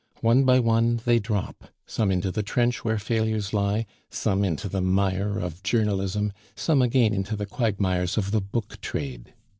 One by one they drop, some into the trench where failures lie, some into the mire of journalism, some again into the quagmires of the book trade.